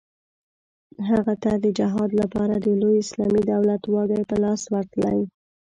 هغه ته د جهاد لپاره د لوی اسلامي دولت واګې په لاس ورتلې.